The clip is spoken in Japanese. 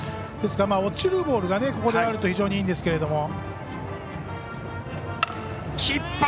ですから、落ちるボールがここであると非常にいいんですけど。